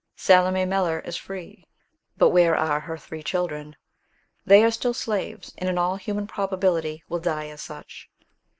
Salome Miller is free, but where are her three children? They are still slaves, and in all human probability will die as such.